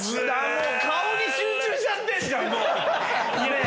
顔に集中しちゃってんじゃん！